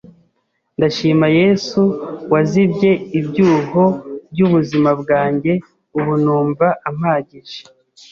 Ndashima Yesu wazibye ibyuho by’ubuzima bwanjye ubu numva ampagije